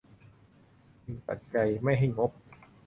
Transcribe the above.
จึงตัดใจไม่ให้งบ